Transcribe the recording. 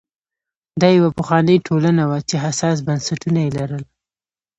دا یوه پخوانۍ ټولنه وه چې حساس بنسټونه یې لرل